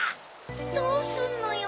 どうすんのよ？